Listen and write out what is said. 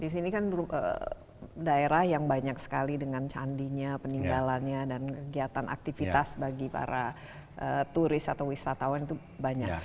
di sini kan daerah yang banyak sekali dengan candinya peninggalannya dan kegiatan aktivitas bagi para turis atau wisatawan itu banyak